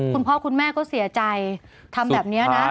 คุณพ่อคุณแม่ก็เสียใจทำแบบนี้นะ